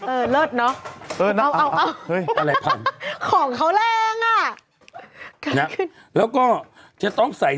เออเลิศเนอะเอาเอาเอาเฮ้ยอะไรทำของเขาแรงอ่ะนะแล้วก็จะต้องใส่